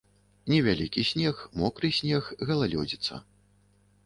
Невялікі снег, мокры снег, галалёдзіца.